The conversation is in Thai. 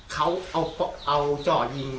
เขาเอาจ่อยิง